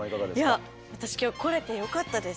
いや私今日来れてよかったです。